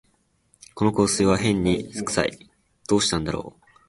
この香水はへんに酢くさい、どうしたんだろう